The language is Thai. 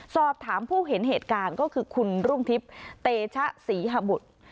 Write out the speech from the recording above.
สอบถามผู้เห็นเหตุการณ์ก็คือคุณรุ่งทิพย์เตชะศรีหบุตร